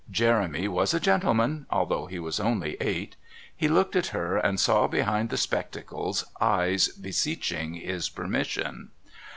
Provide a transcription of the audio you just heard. Jeremy was a gentleman, although he was only eight. He looked at her and saw behind the spectacles eyes beseeching his permission.